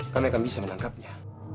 kami akan bisa menangkapnya